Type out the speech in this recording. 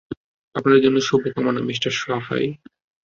আপনার জন্য শুভকামনা, মিস্টার সাহায়।